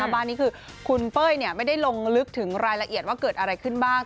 บ้านนี้คือคุณเป้ยไม่ได้ลงลึกถึงรายละเอียดว่าเกิดอะไรขึ้นบ้าง